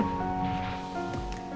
coba dia ke depan